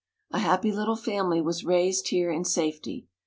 A happy little family was raised here in safety.